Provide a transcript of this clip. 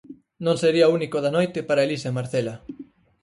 Non sería o único da noite para Elisa e Marcela.